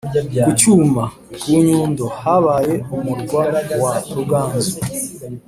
Ku cyuma: ku Nyundo, habaye umurwa wa Ruganzu.